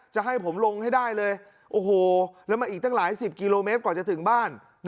จะให้ผมลงให้ได้เลยโอ้โหแล้วมาอีกตั้งหลายสิบกิโลเมตรกว่าจะถึงบ้าน